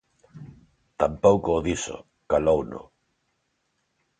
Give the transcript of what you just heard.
Tampouco o dixo, calouno.